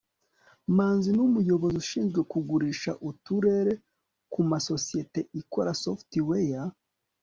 manzi numuyobozi ushinzwe kugurisha uturere kumasosiyete ikora software